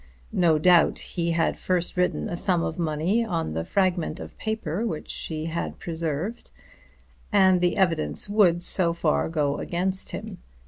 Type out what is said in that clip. No doubt he had first written a sum of money on the fragment of paper which she had preserved; and the evidence would so far go against him.